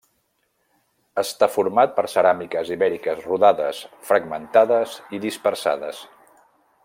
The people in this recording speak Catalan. Està format per ceràmiques ibèriques rodades, fragmentades i dispersades.